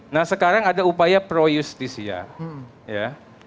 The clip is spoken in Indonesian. nah sekarang ada upaya pro justisia ya